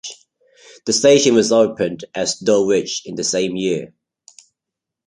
The station was opened as "Dulwich" in the same year.